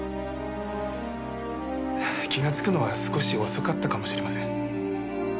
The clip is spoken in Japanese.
気がつくのは少し遅かったかもしれません。